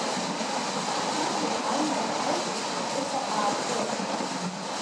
Аҽнытәи аимак-аиҿак аҵыхәа ааԥҵәоит.